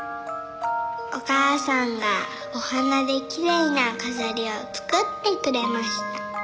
「おかあさんがおはなできれいなかざりをつくってくれました」